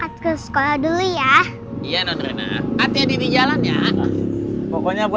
dekat dari anak kezimu